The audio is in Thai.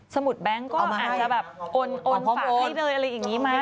สมุดแบงค์ก็อาจจะแบบโอนฝากให้เลยอะไรอย่างนี้ไหม